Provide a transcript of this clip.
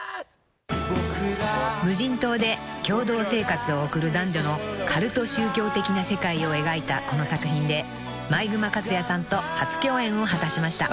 ［無人島で共同生活を送る男女のカルト宗教的な世界を描いたこの作品で毎熊克哉さんと初共演を果たしました］